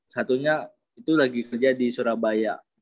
satunya itu lagi kerja di surabaya